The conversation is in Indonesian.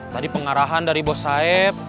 tadi pengarahan dari bos saib